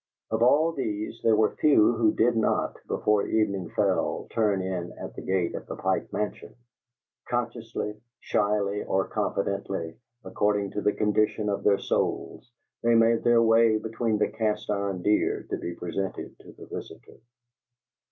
Of all these, there were few who did not, before evening fell, turn in at the gate of the Pike Mansion. Consciously, shyly or confidently, according to the condition of their souls, they made their way between the cast iron deer to be presented to the visitor.